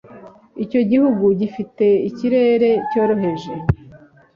Icyo gihugu gifite ikirere cyoroheje